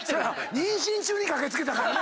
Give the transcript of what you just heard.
妊娠中に駆け付けたからね。